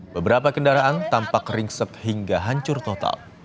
beberapa kendaraan tampak ringsek hingga hancur total